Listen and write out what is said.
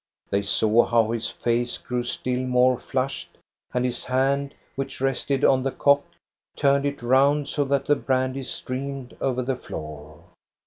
They saw how his face grew still more flushed, and his hand, which rested on the cock, turned it round so that the brandy streamed over the floor.